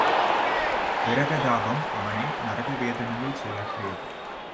விரகதாபம் அவனை நரக வேதனையில் சுழற்றியது.